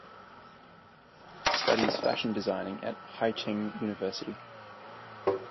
Studies fashion designing at Haicheng University.